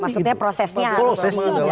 maksudnya prosesnya harus dijalankan